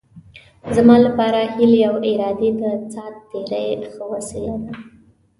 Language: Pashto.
زما لپاره هیلې او ارادې د ساعت تېرۍ ښه وسیله ده.